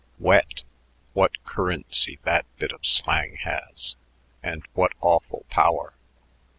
"Wet! What currency that bit of slang has and what awful power.